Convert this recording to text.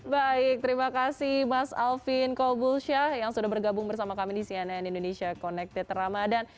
baik terima kasih mas alvin kobulsyah yang sudah bergabung bersama kami di cnn indonesia connected ramadhan